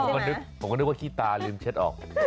นึกผมก็นึกว่าขี้ตาลืมเช็ดออก